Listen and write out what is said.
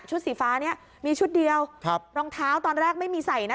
ชุดสีฟ้านี้มีชุดเดียวรองเท้าตอนแรกไม่มีใส่นะ